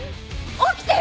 起きてよ！